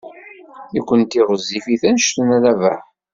Nekkenti ɣezzifit anect n Rabaḥ.